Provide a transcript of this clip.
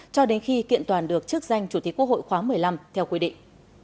cho đến khi kiện toàn được chức danh chủ tịch quốc hội khoáng một mươi năm theo quy định